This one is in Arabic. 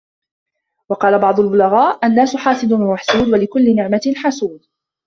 وَقَالَ بَعْضُ الْبُلَغَاءِ النَّاسُ حَاسِدٌ وَمَحْسُودٌ ، وَلِكُلِّ نِعْمَةٍ حَسُودٌ